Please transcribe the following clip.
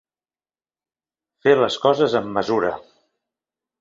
Fer les coses amb mesura.